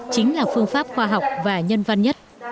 chính là phương pháp khoa học và nhân văn nhất